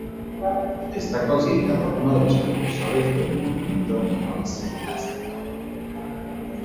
Está considerado uno de los precursores del movimiento neo-escolástico.